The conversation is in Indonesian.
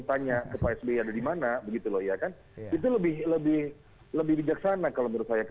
tanya ke pak sby ada di mana begitu loh ya kan itu lebih lebih bijaksana kalau menurut saya